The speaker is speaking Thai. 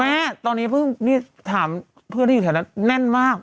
แม่ตอนนี้เพิ่งถามเพื่อนที่อยู่แถวนั้นแน่นมาก